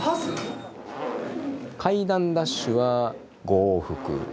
階段ダッシュは５往復。